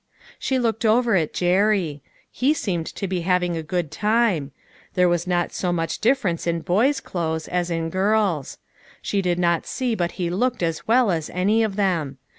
She looked over at Jerry. He seemed to be having a good time ; there was not so much dif ference in boys' clothes as in girls. She did not see but he looked as well as any of them.